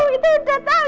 itu sudah tahu